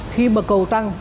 khi mà cầu tăng